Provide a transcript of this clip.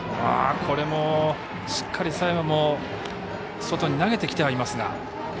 しっかり佐山も外に投げてきてはいますが。